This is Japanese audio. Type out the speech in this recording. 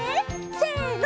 せの！